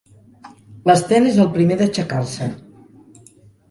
L'Sten és el primer d'aixecar-se.